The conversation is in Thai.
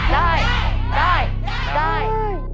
ได้